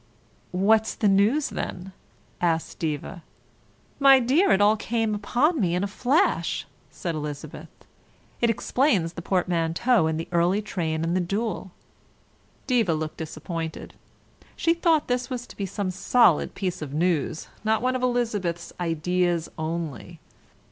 "What's the news then?" asked Diva. "My dear, it all came upon me in a flash," said Elizabeth. "It explains the portmanteau and the early train and the duel." Diva looked disappointed. She thought this was to be some solid piece of news, not one of Elizabeth's ideas only.